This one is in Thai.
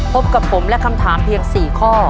พบกับผมและคำถามเพียง๔ข้อ